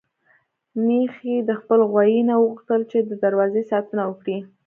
ميښې د خپل غويي نه وغوښتل چې د دروازې ساتنه وکړي.